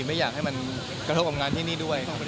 ไม่อยากให้มันกระทบกับงานที่นี่ด้วย